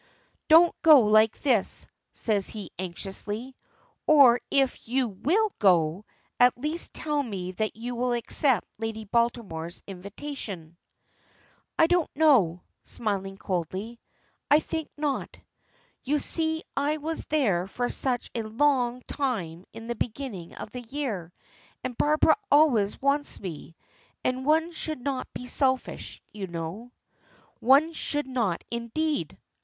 "Don't go like this," says he anxiously. "Or if you will go, at least tell me that you will accept Lady Baltimore's invitation." "I don't know," smiling coldly. "I think not. You see I was there for such a long time in the beginning of the year, and Barbara always wants me, and one should not be selfish you know." "One should not indeed!"